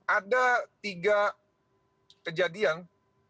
ada tiga kejadian yang harus ditemukan